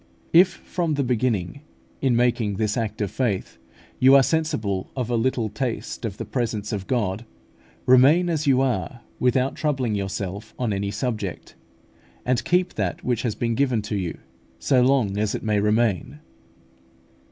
If from the beginning, in making this act of faith, you are sensible of a little taste of the presence of God, remain as you are without troubling yourself on any subject, and keep that which has been given you, so long as it may remain.